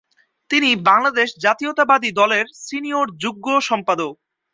তিনি বাংলাদেশ জাতীয়তাবাদী দলের সিনিয়র যুগ্ম সম্পাদক।